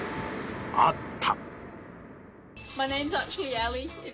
あった！